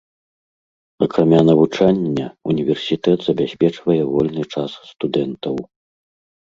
Акрамя навучання, універсітэт забяспечвае вольны час студэнтаў.